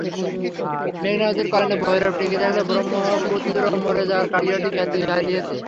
মেঘনা নদীর কল্যাণে ভৈরব টিকে থাকলেও ব্রহ্মপুত্র মরে যাওয়ায় কটিয়াদী খ্যাতি হারিয়েছে।